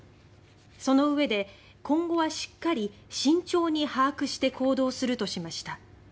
その上で、今後はしっかり慎重に把握して行動するとしました。